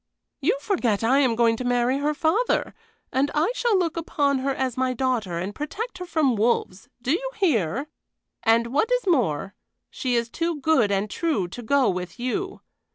"You forget I am going to marry her father, and I shall look upon her as my daughter and protect her from wolves do you hear? And what is more, she is too good and true to go with you.